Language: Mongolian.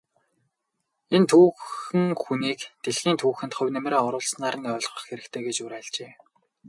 Энэ түүхэн хүнийг дэлхийн түүхэнд хувь нэмрээ оруулснаар нь ойлгох хэрэгтэй гэж уриалжээ.